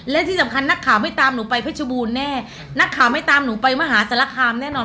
และที่สำคัญนักข่าวไม่ตามหนูไปเพชรบูรณ์แน่นักข่าวไม่ตามหนูไปมหาศาลคามแน่นอน